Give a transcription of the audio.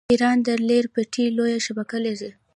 ایران د ریل پټلۍ لویه شبکه لري.